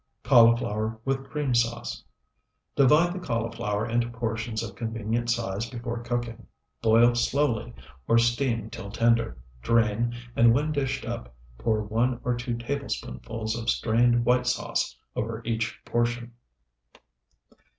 CAULIFLOWER WITH CREAM SAUCE Divide the cauliflower into portions of convenient size before cooking. Boil slowly, or steam till tender, drain, and when dished up, pour one or two tablespoonfuls of strained white sauce over each portion.